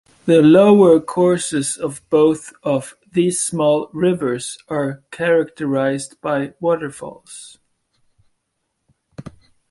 The lower courses of both of these small rivers are characterised by waterfalls.